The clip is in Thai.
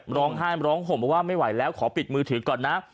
ร้องไห้ร้องห่มบอกว่าไม่ไหวแล้วขอปิดมือถือก่อนนะ